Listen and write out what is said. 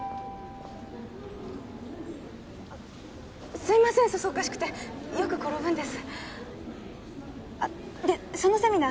すいませんそそっかしくてよく転ぶんですあっでそのセミナー